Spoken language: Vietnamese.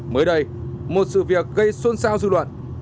mới đây một sự việc gây xuân sao dư luận